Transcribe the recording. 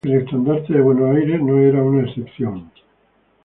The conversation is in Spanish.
El estandarte de Buenos Aires no era una excepción.